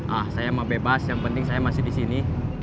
ah saya mah bebas yang penting saya masih disini